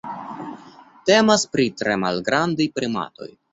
Temas pri tre malgrandaj primatoj.